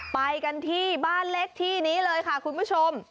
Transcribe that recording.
ไปกันที่บ้านเล็กที่นี้เลยค่ะคุณผู้ชม